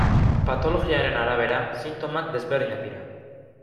Patologiaren arabera sintomak desberdinak dira.